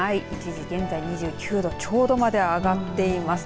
１時現在２９度ちょうどまで上がっています。